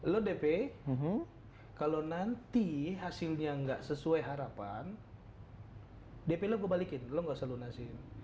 lo dp kalau nanti hasilnya nggak sesuai harapan dp lo gue balikin lo gak usah lunasin